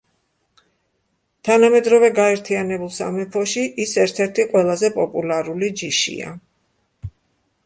თანამედროვე გაერთიანებულ სამეფოში ის ერთ-ერთი ყველაზე პოპულარული ჯიშია.